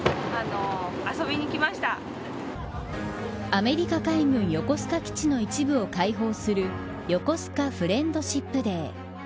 アメリカ海軍横須賀基地の一部を開放するヨコスカフレンドシップデー。